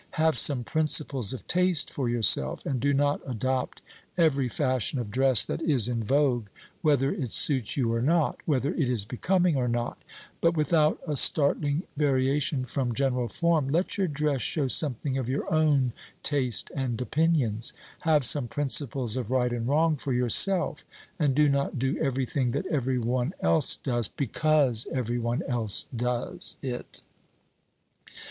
Have some principles of taste for yourself, and do not adopt every fashion of dress that is in vogue, whether it suits you or not whether it is becoming or not but, without a startling variation from general form, let your dress show something of your own taste and opinions. Have some principles of right and wrong for yourself, and do not do every thing that every one else does, because every one else does it.